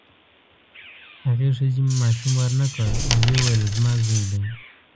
هغې ښځې ماشوم ورنکړ او ویې ویل زما زوی دی.